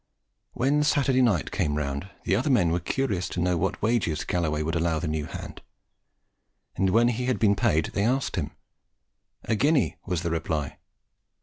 When Saturday night came round, the other men were curious to know what wages Galloway would allow the new hand; and when he had been paid, they asked him. "A guinea," was the reply.